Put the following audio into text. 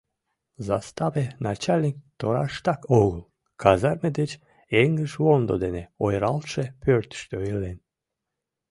Заставе начальник тораштак огыл, казарме деч эҥыжвондо дене ойыралтше пӧртыштӧ илен.